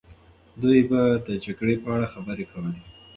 دوی به د جګړې په اړه خبرې کولې.